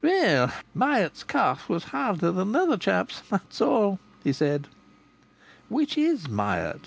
"Well, Hyatt's calf was harder than the other chap's, that's all," he said. "Which is Myatt?"